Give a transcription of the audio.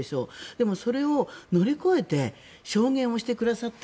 でも、それを乗り越えて証言をしてくださった。